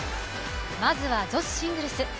まずは女子シングルス。